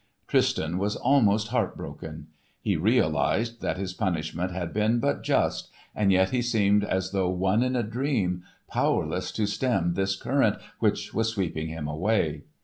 Tristan was almost heart broken. He realised that his punishment had been but just, and yet he seemed as though one in a dream, powerless to stem this current which was sweeping him away.